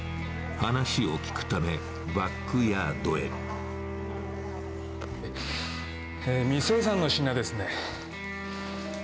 話を聞くため、バックヤード未精算の品ですね。